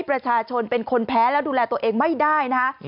ประชาชนเป็นคนแพ้แล้วดูแลตัวเองไม่ได้นะคะ